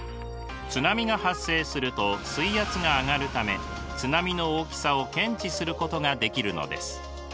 津波が発生すると水圧が上がるため津波の大きさを検知することができるのです。